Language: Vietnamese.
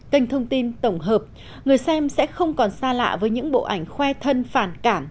kênh thông tin tổng hợp người xem sẽ không còn xa lạ với những bộ ảnh khoe thân phản cảm